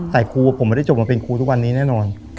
แต่ครูผมไม่ได้จบมาเป็นครูทุกวันนี้แน่นอน